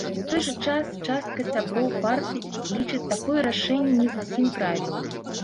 У той жа час частка сябраў партыі лічаць такое рашэнне не зусім правільным.